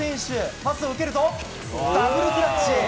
パスを受けるとダブルクラッチ！